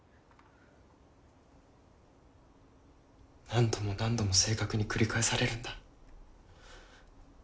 何度も何度も正確に繰り返されるんだ